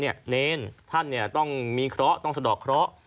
พระทักว่าเน้นพระนี้ต้องมีเคราะห์ต้องสะดอกเคราะห์